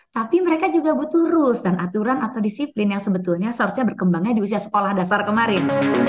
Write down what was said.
tapi mereka juga butuh rules dan aturan atau disiplin yang sebetulnya seharusnya berkembangnya di usia sekolah dasar kemarin